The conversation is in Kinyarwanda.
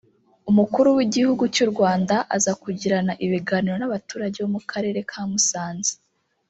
Umukuru w’igihugu cy’ u Rwanda aza kugirana ibiganiro n’abaturage bo mu karere ka Musanze